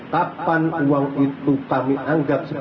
kapan uang itu kami anggap